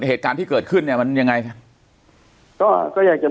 เหตุการณ์ที่เกิดขึ้นเนี่ยมันยังไงก็ก็อยากจะ